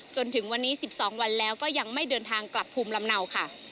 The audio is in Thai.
จนถึงวันนี้๑๒วันแล้วก็ยังไม่เดินทางกลับภูมิลำเนาค่ะ